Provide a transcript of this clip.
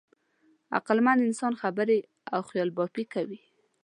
عقلمن انسان خبرې او خیالبافي کوي.